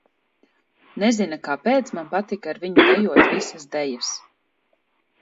Nezina, kāpēc man patika ar viņu dejot visas dejas.